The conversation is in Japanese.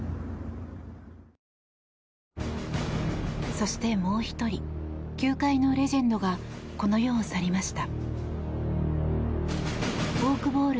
そして、もう１人球界のレジェンドがこの世を去りました。